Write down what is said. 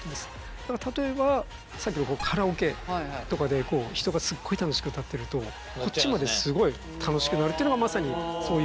例えばさっきのカラオケとかで人がすっごい楽しく歌ってるとこっちまですごい楽しくなるっていうのがまさにそういう。